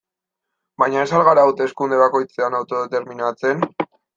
Baina ez al gara hauteskunde bakoitzean autodeterminatzen?